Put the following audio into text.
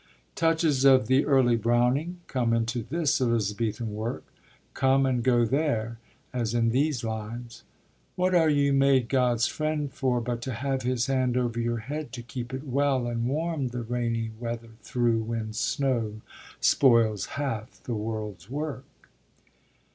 Touches of the early Browning come into this Elizabethan work, come and go there, as in these lines: What are you made God's friend for but to have His hand over your head to keep it well And warm the rainy weather through, when snow Spoils half the world's work?